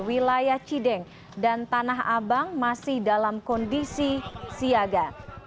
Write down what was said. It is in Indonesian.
wilayah cideng dan tanah abang masih dalam kondisi siaga